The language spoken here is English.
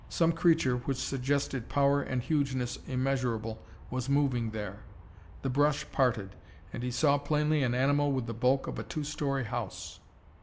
Some creature which suggested power and hugeness immeasurable was moving there. The brush parted, and he saw plainly an animal with the bulk of a two story house.